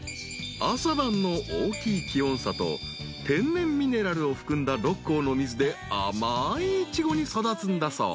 ［朝晩の大きい気温差と天然ミネラルを含んだ六甲の水で甘いイチゴに育つんだそう］